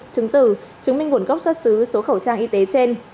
chứng từ chứng minh nguồn gốc xuất xứ số khẩu trang y tế trên